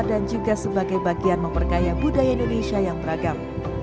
dan juga sebagai bagian memperkaya budaya indonesia yang beragam